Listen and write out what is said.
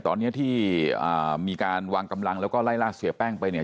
ตอนนี้ที่มีการวางกำลังแล้วก็ไล่ล่าเสียแป้งไปเนี่ย